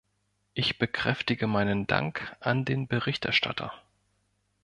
Ich bekräftige meinen Dank an den Berichterstatter.